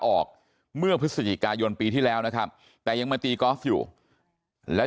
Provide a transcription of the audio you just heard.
ออกเมื่อพฤศจิกายนปีที่แล้วนะครับแต่ยังมาตีกอล์ฟอยู่แล้ว